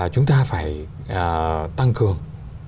chúng ta phải tăng cường